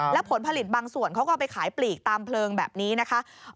แล้วผลผลิตบางส่วนเขาก็ไปขายปลีกตามเพลิงแบบนี้นะคะ